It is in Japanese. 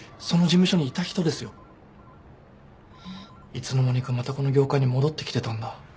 いつの間にかまたこの業界に戻ってきてたんだ。